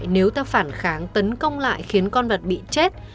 nếu ta phản kháng tấn công lại khiến con vật bị chết